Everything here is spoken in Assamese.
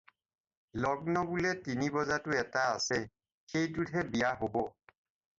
লগ্ন বোলে তিনি বজাতো এটা আছে, সেইটোতহে বিয়া হ'ব।